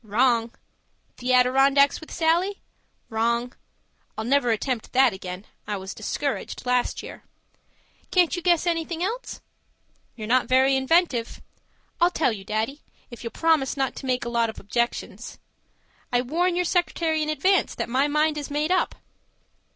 Wrong. The Adirondacks with Sallie? Wrong. (I'll never attempt that again; I was discouraged last year.) Can't you guess anything else? You're not very inventive. I'll tell you, Daddy, if you'll promise not to make a lot of objections. I warn your secretary in advance that my mind is made up.